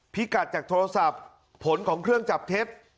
พิกัดจากโทรศัพท์ผลของเครื่องจับเท็จ